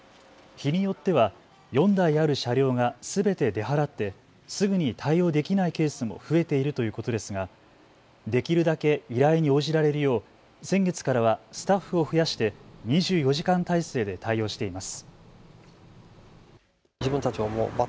日によっては４台ある車両がすべて出払ってすぐに対応できないケースも増えているということですが、できるだけ依頼に応じられるよう先月からはスタッフを増やして２４時間体制で対応しています。